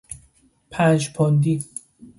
پنج پوندی